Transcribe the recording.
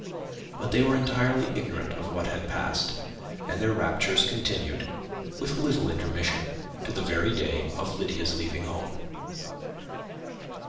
But they were entirely ignorant of what had passed; and their raptures continued, with little intermission, to the very day of Lydia's leaving home.